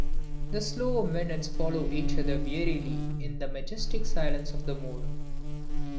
The slow minutes follow each other wearily in the majestic silence of the moor.